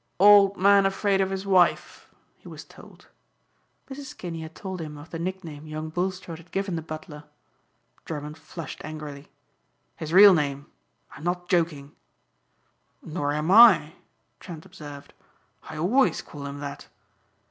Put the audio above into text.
"Old Man Afraid of His Wife," he was told. Mrs. Kinney had told him of the nickname young Bulstrode had given the butler. Drummond flushed angrily. "His real name? I'm not joking." "Nor am I," Trent observed, "I always call him that."